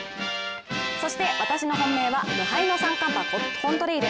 そして私の本命は無敗の三冠馬、コントレイル。